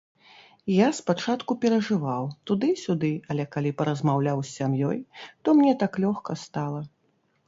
Я спачатку перажываў, туды-сюды, але калі паразмаўляў з сям'ёй, то мне так лёгка стала.